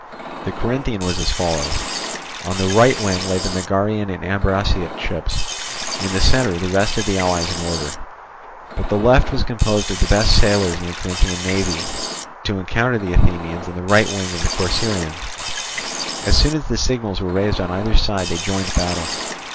The Corinthian was as follows: on the right wing lay the Megarian and Ambraciot ships, in the centre the rest of the allies in order. But the left was composed of the best sailers in the Corinthian navy, to encounter the Athenians and the right wing of the Corcyraeans. As soon as the signals were raised on either side, they joined battle.